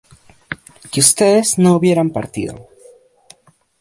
que ustedes no hubieran partido